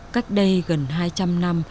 cách đây gần hai trăm linh năm